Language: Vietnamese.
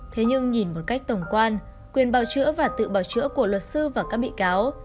thế nhưng nhìn một cách tổng quan quyền bào chữa và tự bảo chữa của luật sư và các bị cáo